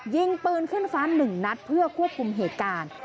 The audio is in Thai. ยิงปืนขึ้นฟ้าหนึ่งนัดเพื่อควบคุมเหตุการณ์